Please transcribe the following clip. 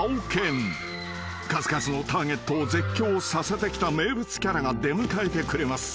［数々のターゲットを絶叫させてきた名物キャラが出迎えてくれます。